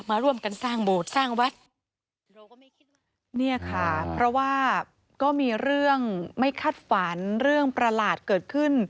มาร่วมกันสร้างโบสถ์สร้างวัด